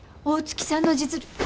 大月さんの実力。